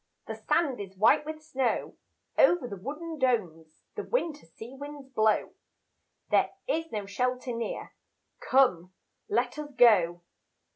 The sand is white with snow, Over the wooden domes The winter sea winds blow There is no shelter near, Come, let us go.